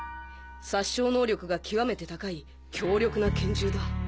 殺傷能力が極めて高い強力な拳銃だ。